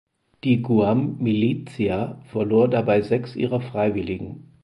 Die "Guam Militia" verlor dabei sechs ihrer Freiwilligen.